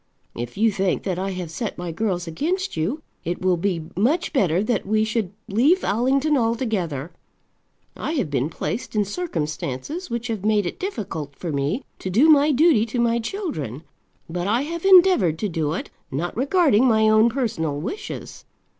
If you think that I have set my girls against you, it will be much better that we should leave Allington altogether. I have been placed in circumstances which have made it difficult for me to do my duty to my children; but I have endeavoured to do it, not regarding my own personal wishes.